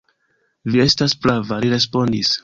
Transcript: Vi estas prava, li respondis.